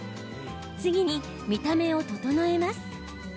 次に見た目を整えます。